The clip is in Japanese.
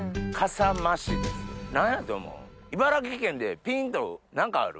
茨城県でピンと何かある？